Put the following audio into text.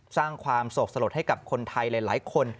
สร้างความโศกสลดให้กับคนไทยหลายคน